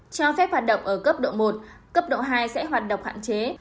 cho phép hoạt động ở cấp độ một cấp độ hai sẽ hoạt động hạn chế